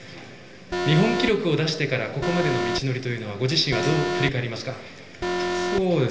日本記録を出してからここまでの道のり、ご自身はどう振り返りますか？